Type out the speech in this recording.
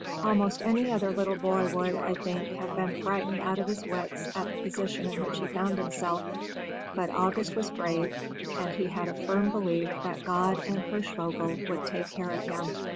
Almost any other little boy would, I think, have been frightened out of his wits at the position in which he found himself; but August was brave, and he had a firm belief that God and Hirschvogel would take care of him.